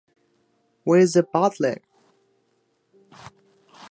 Where's the Butler?